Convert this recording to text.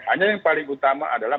hanya yang paling utama adalah